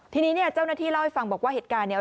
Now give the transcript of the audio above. ทีนี้เนี่ยเจ้าหน้าที่เล่าให้ฟังบอกว่าเหตุการณ์เนี่ย